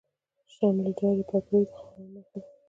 شملې دارې پګړۍ د خانانو نښه ده.